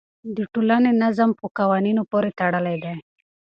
د ټولنې نظم په قوانینو پورې تړلی دی.